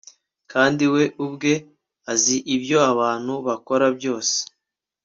kandi we ubwe azi ibyo abantu bakora byose